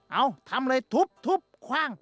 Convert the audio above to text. เอาทำเลยทุบคว่าง